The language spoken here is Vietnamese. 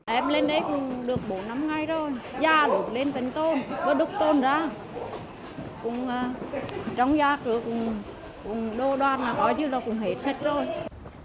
em lên đây cũng được bốn năm ngày rồi da đục lên tấn tôn đục tôn ra trong da cũng đô đoan gói chứ là cũng hết sách rồi